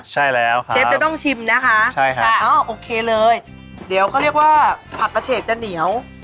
ใช่แล้วเชฟจะต้องชิมนะคะใช่ค่ะโอเคเลยเดี๋ยวเขาเรียกว่าผักกระเฉกจะเหนียว